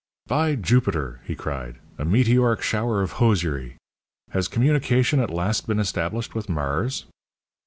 "By Jupiter!" he cried. "A meteoric shower of hosiery! Has communication at last been established with Mars?"